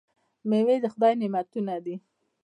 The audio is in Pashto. میوې د خدای نعمتونه دي.